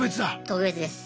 特別です。